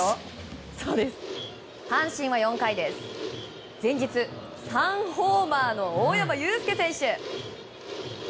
阪神は４回前日３ホーマーの大山悠輔選手。